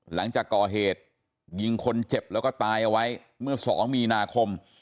หลังจากก่อเหตุยิงคนเจ็บแล้วก็ตายเอาไว้เมื่อ๒มีนาคม